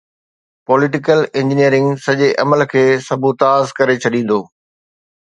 Political engineering' سڄي عمل کي سبوتاز ڪري ڇڏيندو.